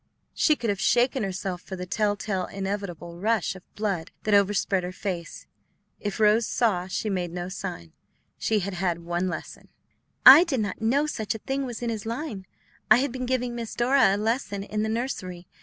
She could have shaken herself for the telltale, inevitable rush of blood that overspread her face. If Rose saw, she made no sign; she had had one lesson. "I did not know such a thing was in his line. I had been giving Miss Dora a lesson in the nursery.